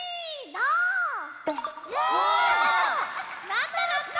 なったなった！